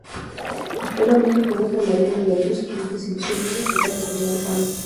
Esteban no reconoce a María de la Luz quien desilusionada se casa con Alejandro.